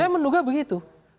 saya menduga begitu